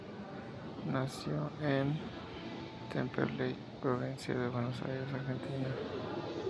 Nació en Temperley, provincia de Buenos Aires, Argentina.